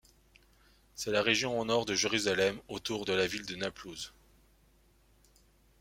C'est la région au nord de Jérusalem, autour de la ville de Naplouse.